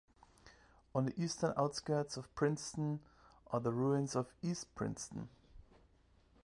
On the eastern outskirts of Princeton are the ruins of East Princeton.